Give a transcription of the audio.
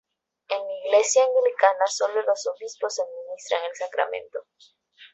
En la Iglesia anglicana solo los obispos administran el sacramento.